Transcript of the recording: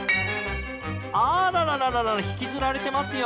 あららら引きずられていますよ。